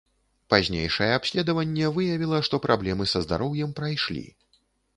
Пазнейшае абследаванне выявіла, што праблемы са здароўем прайшлі.